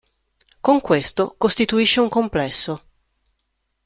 Con questo costituisce un complesso.